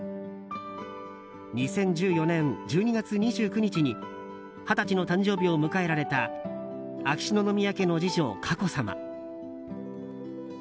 ２０１４年１２月２９日に二十歳の誕生日を迎えられた秋篠宮家の次女・佳子さま。